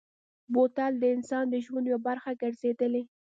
بوتل د انسان د ژوند یوه برخه ګرځېدلې.